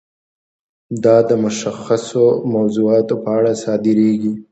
دا د مشخصو موضوعاتو په اړه صادریږي.